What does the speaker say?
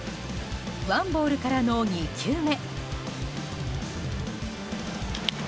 ワンボールからの２球目。